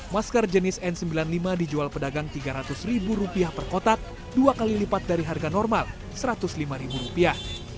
masker jenis n sembilan puluh lima dijual pedagang tiga ratus ribu rupiah per kotak dua kali lipat dari harga normal satu ratus lima rupiah